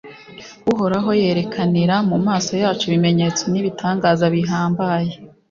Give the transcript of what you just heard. uhoraho yerekanira mu maso yacu ibimenyetso n’ibitangaza bihambaye